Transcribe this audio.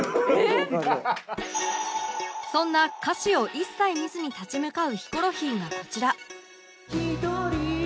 そんな歌詞を一切見ずに立ち向かうヒコロヒーがこちら